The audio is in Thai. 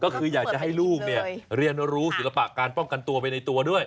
ก็คืออยากจะให้ลูกเนี่ยเรียนรู้ศิลปะการป้องกันตัวไปในตัวด้วย